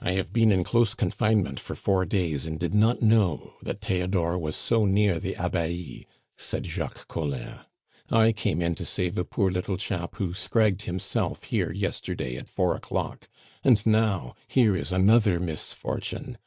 "I have been in close confinement for four days and did not know that Theodore was so near the Abbaye," said Jacques Collin. "I came in to save a poor little chap who scragged himself here yesterday at four o'clock, and now here is another misfortune.